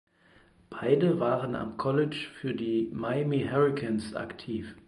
Beide waren am College für die Miami Hurricanes aktiv.